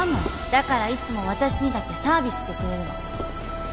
だからいつも私にだけサービスしてくれるの